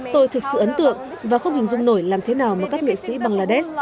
tôi thực sự ấn tượng và không hình dung nổi làm thế nào mà các nghệ sĩ bangladesh